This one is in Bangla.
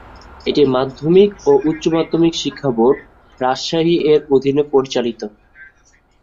এটি মাধ্যমিক ও উচ্চ মাধ্যমিক শিক্ষা বোর্ড, রাজশাহী এর অধীনে পরিচালিত।